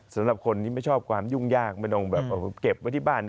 สำหรับคนที่ไม่ชอบความยุ่งยากไม่ต้องแบบเก็บไว้ที่บ้าน